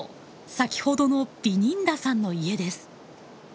先ほどのビニンダさんの家です。